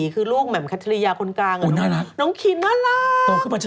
คือมันพินญาณเผ่า